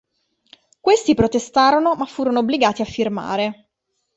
Questi protestarono ma furono obbligati a firmare.